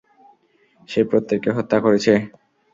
সে প্রত্যেককে হত্যা করেছে।